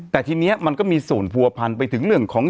แต่ทีนี้มันก็มีส่วนผัวพันไปถึงเรื่องของ